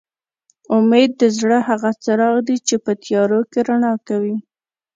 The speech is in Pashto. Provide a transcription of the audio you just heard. اميد د زړه هغه څراغ دي چې په تيارو کې رڼا کوي